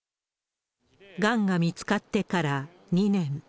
がんが見つかってから２年。